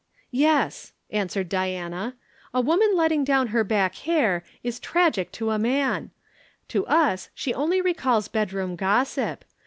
"Yes," answered Diana. "A woman letting down her back hair is tragic to a man; to us she only recalls bedroom gossip.